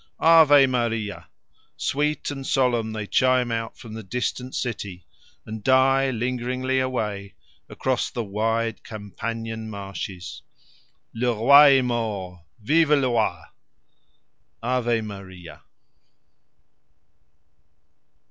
Ave Maria! Sweet and solemn they chime out from the distant town and die lingeringly away across the wide Campagnan marshes. _Le roi est mort, vive le roi! Ave Maria!